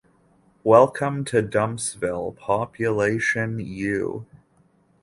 Welcome to Dumpsville, population: you.